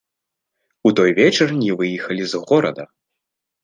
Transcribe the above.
У той вечар не выехалі з горада.